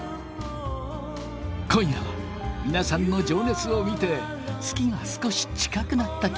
今夜は皆さんの情熱を見て月が少し近くなった気がしました。